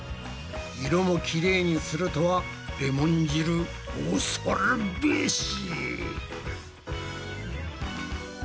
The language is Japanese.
色もきれいにするとはレモン汁恐るべし！